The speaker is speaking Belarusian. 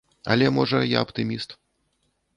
Але, можа, я аптыміст.